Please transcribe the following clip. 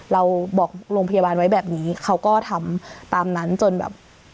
เราบอกโรงพยาบาลไว้แบบนี้เขาก็ทำตามนั้นจนแบบ